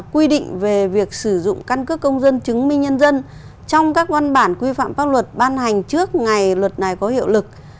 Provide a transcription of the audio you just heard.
quy định về việc sử dụng căn cước công dân chứng minh nhân dân trong các văn bản quy phạm pháp luật ban hành trước ngày luật này có hiệu lực